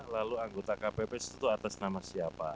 lalu anggota kpp itu atas nama siapa